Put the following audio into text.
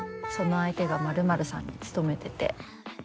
その相手がまるまるさんに勤めてて。